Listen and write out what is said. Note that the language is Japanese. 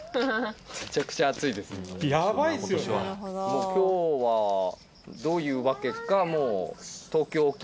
もう今日はどういうわけか。